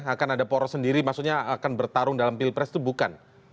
akan ada poros sendiri maksudnya akan bertarung dalam pilpres itu bukan